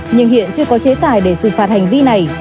nhưng hiện chưa có chế tài để xử phạt hành vi này